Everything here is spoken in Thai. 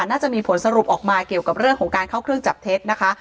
น่าจะมีผลสรุปออกมาเกี่ยวกับเรื่องของการเข้าเครื่องจับเท็จนะคะ